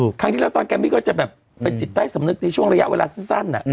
ครั้งที่แล้วตอนแกมมี่ก็จะแบบไปจิตใต้สำนึกในช่วงระยะเวลาสั้นอ่ะ